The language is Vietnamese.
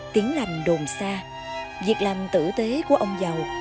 tiến lành đồn xa việc làm tử tế của ông dầu